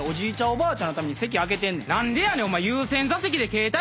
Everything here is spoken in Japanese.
おばあちゃんのために席空けてんねん。